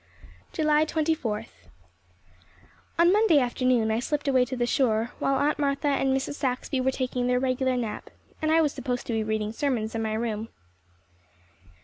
July Twenty fourth. On Monday afternoon I slipped away to the shore while Aunt Martha and Mrs. Saxby were taking their regular nap and I was supposed to be reading sermons in my room.